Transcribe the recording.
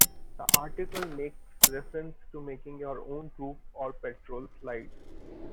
The article makes reference to making your own troop or patrol slide.